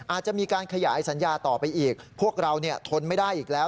อาจจะมีการขยายสัญญาต่อไปอีกพวกเราทนไม่ได้อีกแล้ว